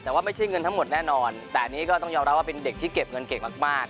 แต่ว่าไม่ใช่เงินทั้งหมดแน่นอนแต่อันนี้ก็ต้องยอมรับว่าเป็นเด็กที่เก็บเงินเก่งมาก